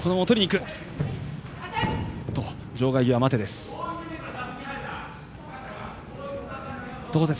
場外際、待てです。